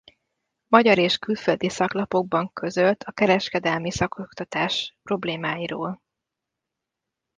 Magyar és külföldi szaklapokban közölt a kereskedelmi szakoktatás problémáiról.